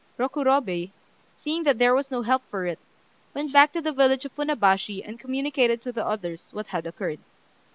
Rokurobei, seeing that there was no help for it, went back to the village of Funabashi and communicated to the others what had occurred.